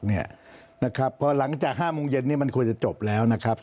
เพราะหลังจาก๕โมงเย็นนี้มันควรจะจบแล้วนะครับ